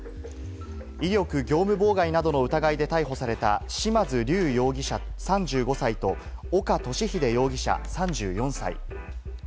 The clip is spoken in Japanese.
威力業務妨害などの疑いで逮捕された、嶋津龍容疑者・３５歳と、岡敏秀容疑者・３４歳。